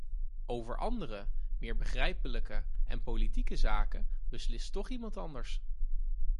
Over andere, meer begrijpelijke en politieke zaken beslist toch iemand anders.